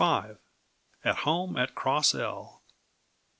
At Home at Cross L.